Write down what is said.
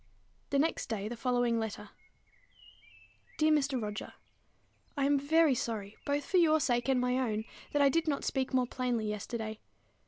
The next day came the following letter: Dear Mr. Roger, I am very sorry, both for your sake and my own, that I did not speak more plainly yesterday.